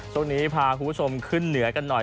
ช่วงนี้พาคุณผู้ชมขึ้นเหนือกันหน่อย